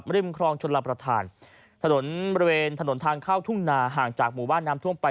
ริมครองชนรับประทานถนนบริเวณถนนทางเข้าทุ่งนาห่างจากหมู่บ้านน้ำท่วมไป